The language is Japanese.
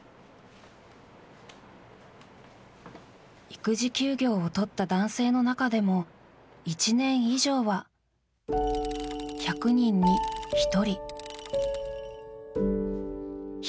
育児休業をとった男性の中でも１年以上は１００人に１人。